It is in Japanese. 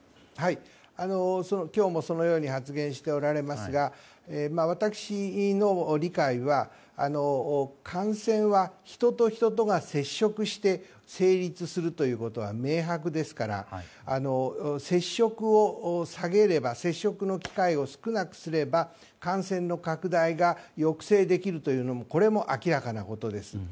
今日もそのように発言しておられますが私の理解は感染は人と人とが接触して成立するということが明白ですから接触の機会を少なくすれば感染の拡大が抑制できるというのも明らかなことです。